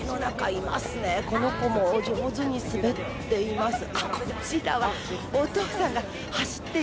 この子も上手に滑っています。